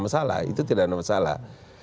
masalah itu tidak ada masalah